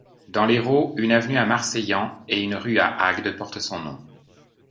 Dans l'Hérault, une avenue à Marseillan et une rue à Agde porte son nom.